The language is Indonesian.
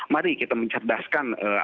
mari kita mencerdaskan